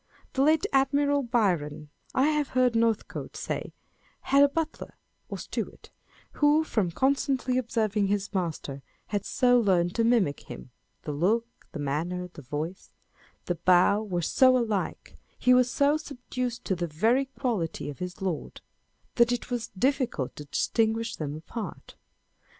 The late Admiral Byron (I have heard Northcote say) had a butler, or steward, who, from constantly observing his master, had so learned to mimic him â€" the look, the manner, the voice, the bow were so alike â€" he was so " subdued to the very quality of his lord " â€" that it was difficult to distinguish them apart.